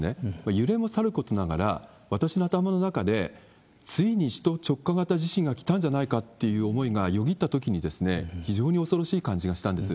揺れもさることながら、私の頭の中で、ついに首都直下地震が来たんじゃないかっていう思いがよぎったときに、非常に恐ろしい感じがしたんです。